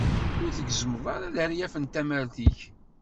Ur tgezzmeḍ ara leryaf n tamart-ik.